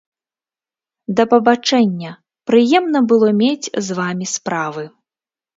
Да пабачэння, прыемна было мець з вамі справы.